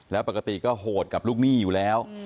แล้วปกติก็โหดกับลูกหนี้อยู่แล้ว